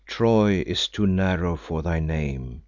Troy is too narrow for thy name."